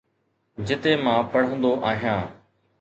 جتي مان پڙهندو آهيان